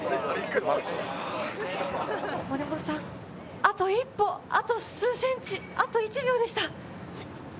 あと一歩、あと数センチ、あと１秒でした。